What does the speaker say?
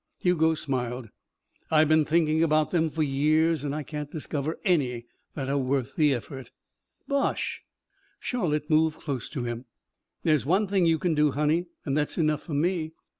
Hugo smiled. "I've been thinking about them for years. And I can't discover any that are worth the effort." "Bosh!" Charlotte moved close to him. "There's one thing you can do, honey, and that's enough for me."